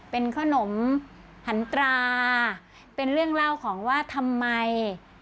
เป็นขนมหันตราเป็นเรื่องเล่าของว่าทำไม